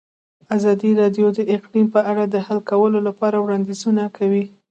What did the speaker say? ازادي راډیو د اقلیم په اړه د حل کولو لپاره وړاندیزونه کړي.